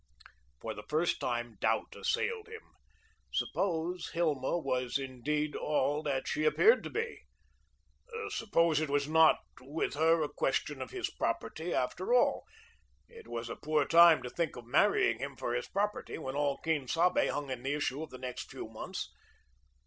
For the first time doubt assailed him. Suppose Hilma was indeed all that she appeared to be. Suppose it was not with her a question of his property, after all; it was a poor time to think of marrying him for his property when all Quien Sabe hung in the issue of the next few months.